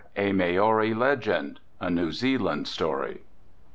A MAORI LEGEND. A New Zealand Story.